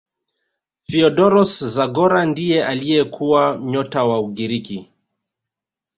theodoros zagora ndiye aliyekuwa nyota wa ugiriki